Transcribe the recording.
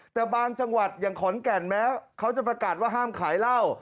แต่บางจังหวัดอย่างขอนแก่นแม้เขาจะประกาศว่าห้ามขายเหล้า